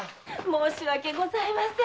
申し訳ございません。